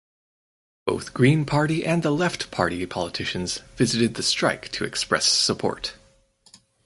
Both Green Party and The Left party politicians visited the strike to express support.